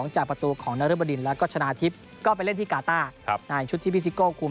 จากประตูของนรบดินแล้วก็ชนะทิพย์ก็ไปเล่นที่กาต้าในชุดที่พี่ซิโก้คุม